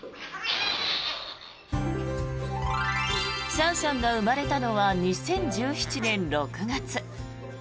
シャンシャンが生まれたのは２０１７年６月。